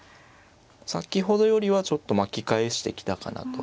先ほどよりはちょっと巻き返してきたかなと。